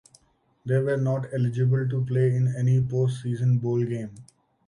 They were not eligible to play in any post season bowl game.